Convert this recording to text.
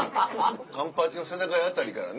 環八の世田谷辺りからね